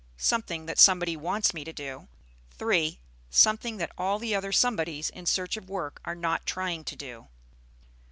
Something that somebody wants me to do. 3. Something that all the other somebodies in search of work are not trying to do.